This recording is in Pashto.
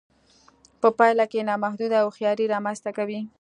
په پايله کې نامحدوده هوښياري رامنځته کوي.